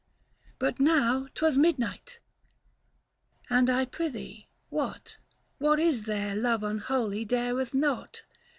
345 But now 'twas midnight : and I prythee, what — What is there, love unholy, dareth not